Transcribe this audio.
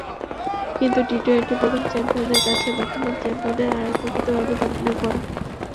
কিন্তু টি-টোয়েন্টির প্রথম চ্যাম্পিয়নদের কাছে বর্তমান চ্যাম্পিয়নদের হারের প্রকৃত ব্যবধান অনেক বড়।